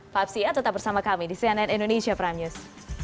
fafsiyah tetap bersama kami di cnn indonesia prime news